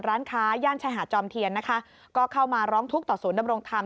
ร้านค้าย่านชายหาดจอมเทียนนะคะก็เข้ามาร้องทุกข์ต่อศูนยำรงธรรม